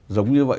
giống như vậy